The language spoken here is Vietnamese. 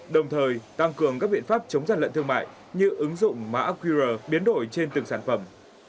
đồng thời tăng cường các biện pháp chống dàn lận thương mại như ứng dụng mã qr biến đổi trên từng sản phẩm